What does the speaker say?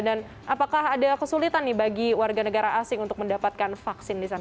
dan apakah ada kesulitan nih bagi warga negara asing untuk mendapatkan vaksin di sana